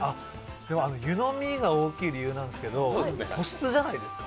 湯飲みが大きい理由なんですけど保湿じゃないですか？